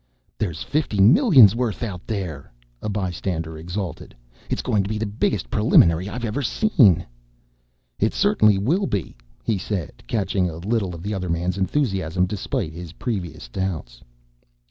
"There's fifty millions worth out there!" a bystander exulted. "It's going to be the biggest Preliminary I've ever seen." "It certainly will be!" he said, catching a little of the other man's enthusiasm despite his previous doubts.